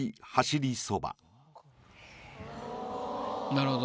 なるほど。